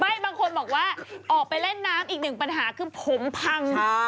บางคนบอกว่าออกไปเล่นน้ำอีกหนึ่งปัญหาคือผมพัง